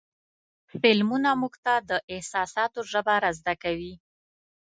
فلمونه موږ ته د احساساتو ژبه را زده کوي.